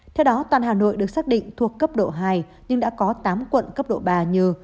theo đó toàn hà nội được xác định thuộc cấp độ hai nhưng đã có tám quận cấp độ ba như